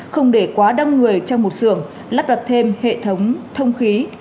không để quá đông người trong một xưởng lắp đặt thêm hệ thống thông khí